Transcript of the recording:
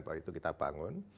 boleh itu kita bangun